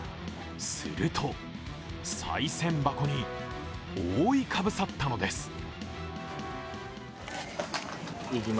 すると、さい銭箱に覆いかぶさったのです。